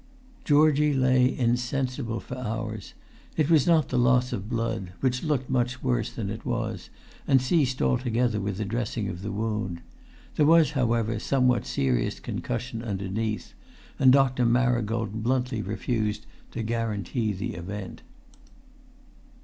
Georgie lay insensible for hours. It was not the loss of blood, which looked much worse than it was, and ceased altogether with the dressing of the wound.[Pg 288] There was, however, somewhat serious concussion underneath; and Dr. Marigold bluntly refused to guarantee the event.